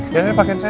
jangan pakai saya ya